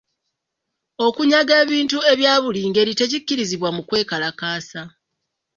Okunyaga ebintu ebya buli ngeri tekikkirizibwa mu kwekalakaasa.